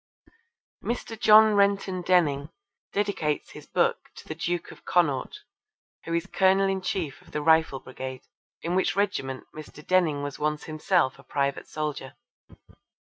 Mr. John Renton Denning dedicates his book to the Duke of Connaught, who is Colonel in Chief of the Rifle Brigade, in which regiment Mr. Denning was once himself a private soldier.